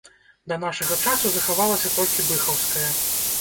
Да нашага часу захавалася толькі быхаўская.